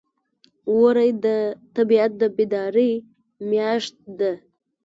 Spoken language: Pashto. وری د طبیعت د بیدارۍ میاشت ده.